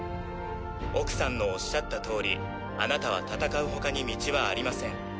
奥さんのおっしゃった通りあなたは戦う他に道はありません。